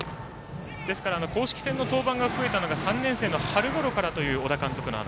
公式戦の登板が増えたのが３年生の春ごろからという小田監督の話。